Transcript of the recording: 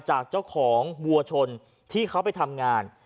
จากเจ้าของวัวชนที่เขาไปทำงาน